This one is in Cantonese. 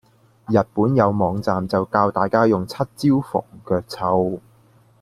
日本有網站就教大家用七招防腳臭